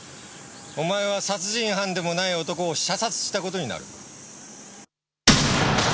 お前は殺人犯でもない男を射殺した事になる。